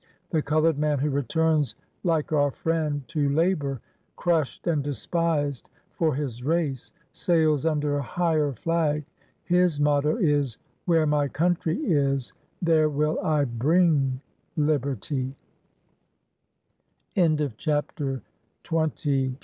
The colored man who returns, like our friend, to labor, crushed and despised, for his race, sails under a higher flag : his motto is, ' Where my country is, there will I bring liberty